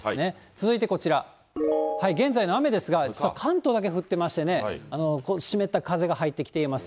続いてこちら、現在の雨ですが、実は関東だけ降ってましてね、湿った風が入ってきています。